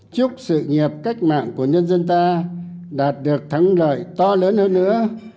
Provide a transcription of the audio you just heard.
chúc sự nghiệp cách mạng của nhân dân ta đạt được thắng lợi to lớn hơn nữa